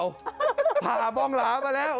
ก็ไม่รู้ว่าจะหามาได้จะบวชก่อนเบียดหรือเปล่า